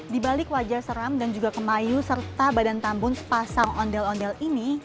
di balik wajah seram dan juga kemayu serta badan tambun sepasang ondel ondel ini